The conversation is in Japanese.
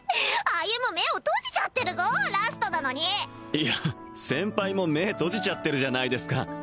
歩目を閉じちゃってるぞラストなのにいや先輩も目閉じちゃってるじゃないですか